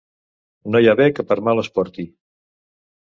No hi ha bé que per mal es porti.